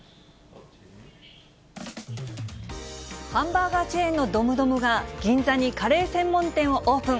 ハンバーガーチェーンのドムドムが、銀座にカレー専門店をオープン。